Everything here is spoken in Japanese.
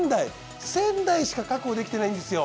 １，０００台しか確保できてないんですよ。